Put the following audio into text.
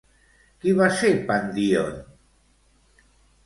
Qui va ser Pandíon?